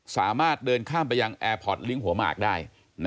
สามารถเดินข้ามไปยังแอร์พอร์ตลิงก์หัวหมากได้